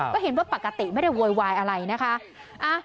ก็เห็นว่าปกติไม่ได้โวยวายอะไรนะคะ